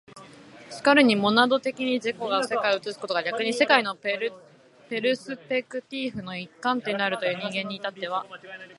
然るにモナド的に自己が世界を映すことが逆に世界のペルスペクティーフの一観点であるという人間に至っては、